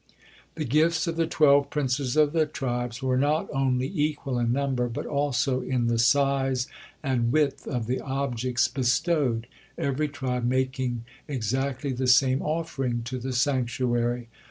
The gifts of the twelve princes of the tribes were not only equal in number, but also in the size and width of the objects bestowed, every tribe making exactly the same offering to the sanctuary.